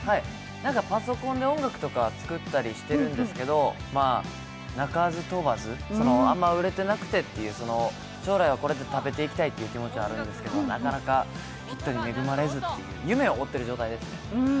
パソコンで音楽とか作ったりしてるんですけど、鳴かず飛ばず、あんま売れてなくてっていう、将来はこれで食べていきたいという夢はあるんですけどなかなかヒットに恵まれずっていう夢を追ってる状態ですね。